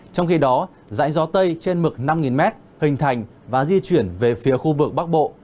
trong khi đó dãy gió tây trên mực năm m hình thành và di chuyển về phía khu vực bắc bộ